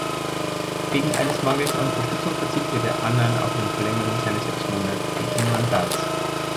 Wegen eines Mangels an Unterstützung verzichtete Annan auf eine Verlängerung seines sechsmonatigen Mandates.